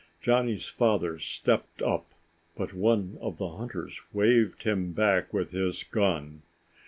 Johnny's father stepped up, but one of the hunters waved him back with his gun.